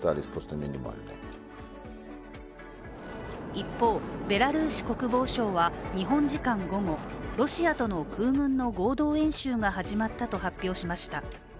一方、ベラルーシ国防省は日本時間午後、ロシアのと空軍の合同演習が始まったと発表しました。